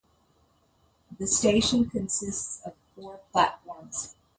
The station consists of four platforms.